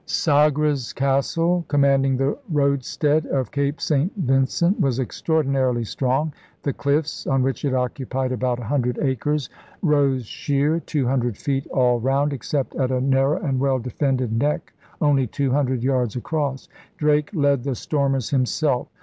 Sagres Castle, commanding the roadstead of Cape St. Vincent, was extraordinarily strong. The cliffs, on which it occupied about a hundred acres. 168 ELIZABETHAN SEA DOGS rose sheer two hundred feet all round except at a narrow and well defended neck only two hundred yards across. Drake led the stormers himself.